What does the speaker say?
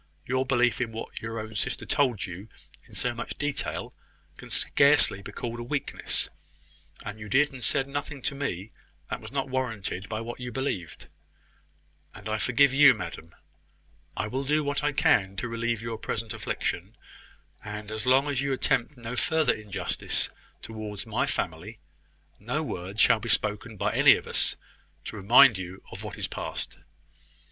"Your belief in what your own sister told you in so much detail can scarcely be called a weakness; and you did and said nothing to me that was not warranted by what you believed. And I forgive you, madam. I will do what I can to relieve your present affliction; and, as long as you attempt no further injustice towards my family, no words shall be spoken by any of us, to remind you of what is past."